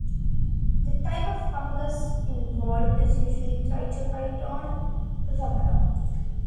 The type of fungus involved is usually "Trichophyton rubrum".